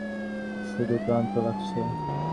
শুধু ক্লান্ত লাগছে।